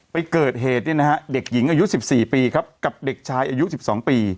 ไปเกิดเหตุเนี่ยนะฮะเด็กหญิงอายุ๑๔ปีครับกับเด็กชายอายุ๑๒ปี